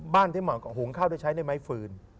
บ้านที่หุงข้าวได้ใช้ได้ไม้ฟื้น